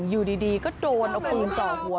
อยู่ดีก็โดนเอาปืนเจาะหัว